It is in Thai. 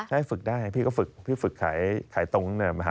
ใช่ฝึกได้พี่ก็ฝึกพี่ฝึกขายตรง